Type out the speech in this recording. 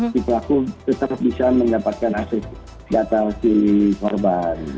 kita tetap bisa mendapatkan aset data si korban